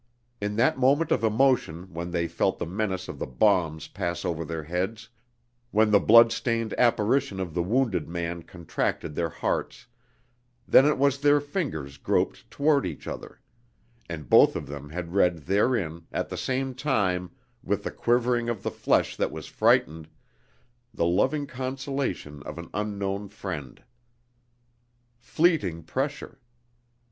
In that moment of emotion when they felt the menace of the bombs pass over their heads, when the bloodstained apparition of the wounded man contracted their hearts, then it was their fingers groped toward each other; and both of them had read therein, at the same time with the quivering of the flesh that was frightened, the loving consolation of an unknown friend. Fleeting pressure!